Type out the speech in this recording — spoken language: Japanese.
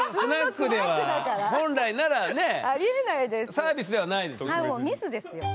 サービスではないですよね？